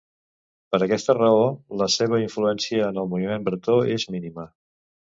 Per aquesta raó la seva influència en el moviment bretó és mínima.